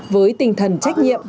với tinh thần trách nhiệm